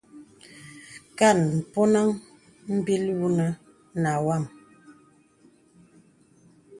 Kàn mpɔnaŋ m̀bìl wunə nà wam.